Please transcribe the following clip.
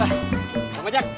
wah bang ojek